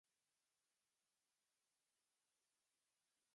阮文戎服役时大部分时间都担任杨文明的副官兼保镖。